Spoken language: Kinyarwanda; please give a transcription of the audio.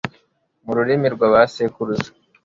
mu rurimi rw'abasekuruza